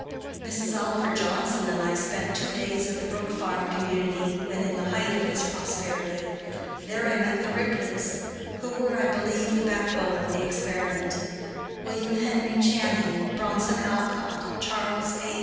Mrs. Oliver Johnson and I spent two days at the Brook Farm Community when in the height of its prosperity. There I met the Ripleys, who were, I believe, the backbone of the experiment, William Henry Channing, Bronson Alcott, Charles A.